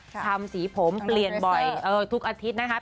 ทำสีผมเปลี่ยนบ่อยทุกอาทิตย์นะครับ